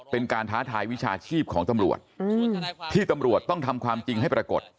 ท้าทายวิชาชีพของตำรวจที่ตำรวจต้องทำความจริงให้ปรากฏ